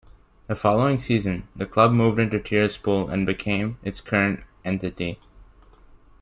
The following season, the club moved into Tiraspol and became its current entity.